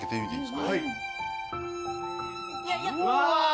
うわ！